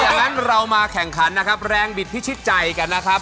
อย่างนั้นเรามาแข่งขันนะครับแรงบิดพิชิตใจกันนะครับ